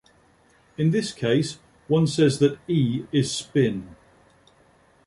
In this case one says that "E" is spin.